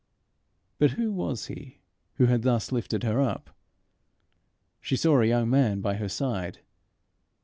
But who was he who had thus lifted her up? She saw a young man by her side.